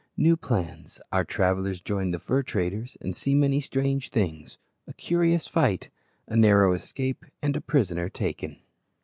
New plans Our travellers join the fur traders, and see many strange things A curious fight A narrow escape, and a prisoner taken.